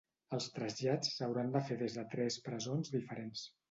Els trasllats s’hauran de fer des de tres presons diferents.